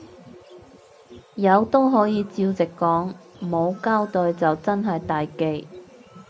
有都可以照直講，冇交帶就真係大忌